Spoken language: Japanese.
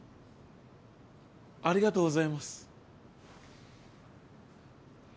ありがとうございます。